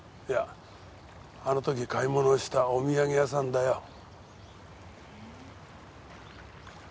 いやあの時買い物したお土産屋さんだよ。